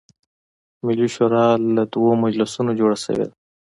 ملي شورا له دوه مجلسونو جوړه شوې ده.